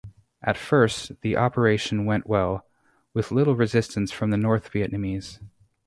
At first the operation went well, with little resistance from the North Vietnamese.